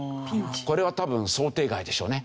これは多分想定外でしょうね。